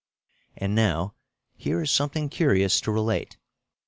And now, here is something curious to relate.